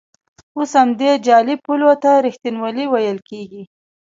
اوس همدې جعلي پولو ته ریښتینولي ویل کېږي.